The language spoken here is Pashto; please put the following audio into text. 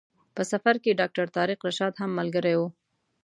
په سفر کې ډاکټر طارق رشاد هم ملګری و.